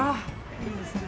いいですか？